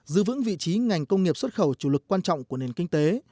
giữ vững vị trí ngành công nghiệp xuất khẩu chủ lực quan trọng của nền kinh tế